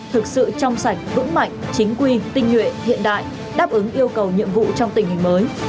thực sự trong sạch vững mạnh chính quy tinh nhuệ hiện đại đáp ứng yêu cầu nhiệm vụ trong tình hình mới